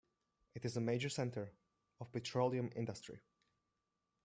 It is a major center of petroleum industry.